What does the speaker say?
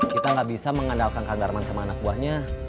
kita nggak bisa mengandalkan kang darman sama anak buahnya